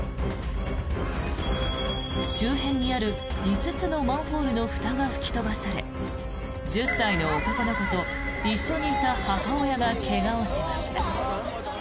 周辺にある５つのマンホールのふたが吹き飛ばされ１０歳の男の子と一緒にいた母親が怪我をしました。